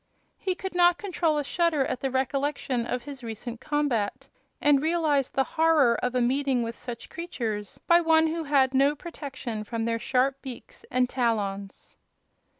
He could not control a shudder at the recollection of his recent combat, and realized the horror of a meeting with such creatures by one who had no protection from their sharp beaks and talons.